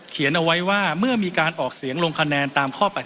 เอาไว้ว่าเมื่อมีการออกเสียงลงคะแนนตามข้อ๘๔